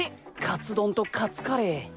カツ丼とカツカレー。